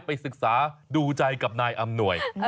ไปศึกษาดูใจกับนายอำนวย